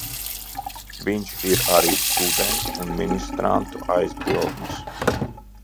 Viņš ir arī studentu un ministrantu aizbildnis.